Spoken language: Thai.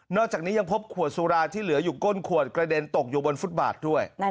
อกจากนี้ยังพบขวดสุราที่เหลืออยู่ก้นขวดกระเด็นตกอยู่บนฟุตบาทด้วย